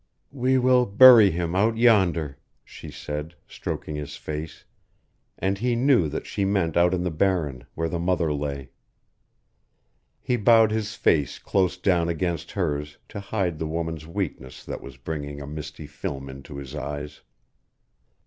"We will bury him out yonder," she said, stroking his face, and he knew that she meant out in the barren, where the mother lay. He bowed his face close down against hers to hide the woman's weakness that was bringing a misty film into his eyes.